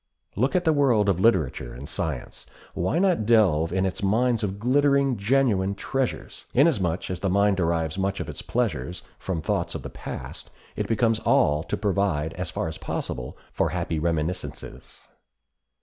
Look at the world of literature and science. Why not delve in its mines of glittering, genuine treasures? Inasmuch as the mind derives much of its pleasures from thoughts of the past it becomes all to provide, as far as possible, for happy reminiscences.